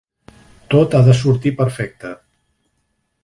Tot ha de sortir perfecte.